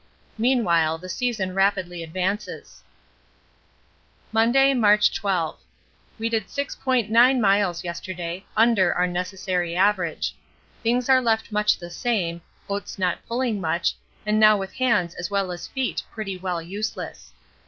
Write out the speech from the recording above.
Meanwhile the season rapidly advances. Monday, March 12. We did 6.9 miles yesterday, under our necessary average. Things are left much the same, Oates not pulling much, and now with hands as well as feet pretty well useless.